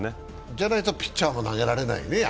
じゃないとピッチャーも安心して投げられないね。